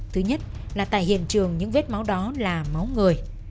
thứ nhất là tại hiện trường những vết máu đó là máu người